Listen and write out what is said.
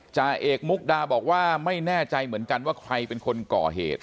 จ่าเอกมุกดาบอกว่าไม่แน่ใจเหมือนกันว่าใครเป็นคนก่อเหตุ